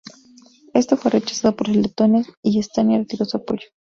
Esto fue rechazado por los letones y Estonia retiró su apoyo.